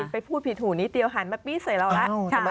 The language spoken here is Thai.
ไปพูดผิดหูนิดเดียวหันมาปี้เสร็จแล้วล่ะ